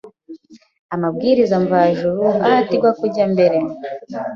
amabwiriza mvajuru ahatirwa kujya mbere